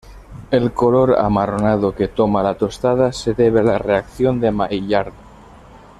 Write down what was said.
El color amarronado que toma la tostada se debe a la Reacción de Maillard.